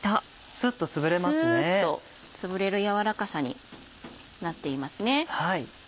スっとつぶれる軟らかさになっていますね。